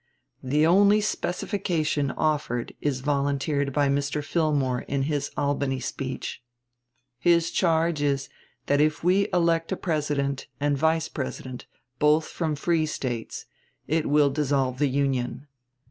The only specification offered is volunteered by Mr. Fillmore in his Albany speech. His charge is that if we elect a President and Vice President both from the free States it will dissolve the Union.